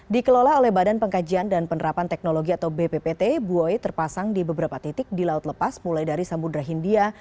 dikelola oleh badan pengkajian dan penerapan teknologi atau bppt buoy terpasang di beberapa titik di laut lepas mulai dari samudera hindia